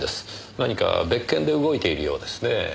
何か別件で動いているようですね。